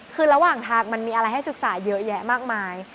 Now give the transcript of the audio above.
คือระหว่างทางมันมีอะไรให้ศึกษาเยอะแยะมากมาย